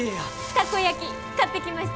たこ焼き買ってきました！